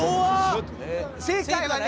正解はね